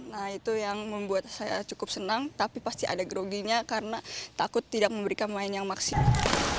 nah itu yang membuat saya cukup senang tapi pasti ada groginya karena takut tidak memberikan main yang maksimal